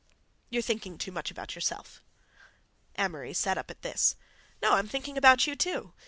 "You're thinking too much about yourself." Amory sat up at this. "No. I'm thinking about you, too.